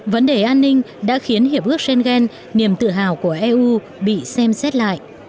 vấn đề an ninh đã khiến hiệp ước schengen niềm tự hào của eu bị xem xét lại